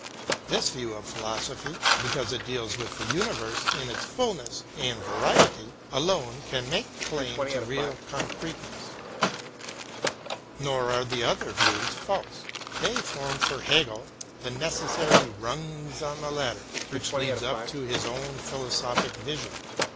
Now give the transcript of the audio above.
This view of philosophy, because it deals with the universe in its fulness and variety, alone can make claim to real con creteness. Nor are the other views false. They form for Hegel the necessary rungs on the ladder which leads up to his own philosophic vision.